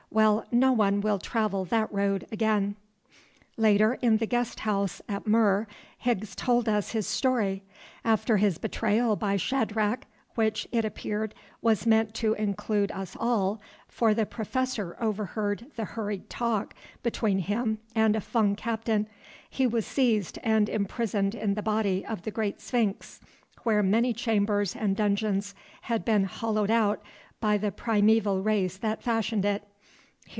Well, no one will travel that road again." Later, in the guest house at Mur, Higgs told us his story. After his betrayal by Shadrach, which, it appeared, was meant to include us all, for the Professor overheard the hurried talk between him and a Fung captain, he was seized and imprisoned in the body of the great sphinx, where many chambers and dungeons had been hollowed out by the primæval race that fashioned it.